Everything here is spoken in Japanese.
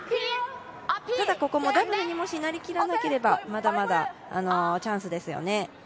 ただ、ここもダブルになりきらなければまだまだチャンスですね。